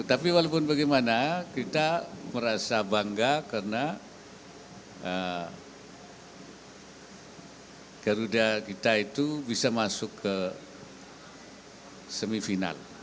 tapi walaupun bagaimana kita merasa bangga karena garuda kita itu bisa masuk ke semifinal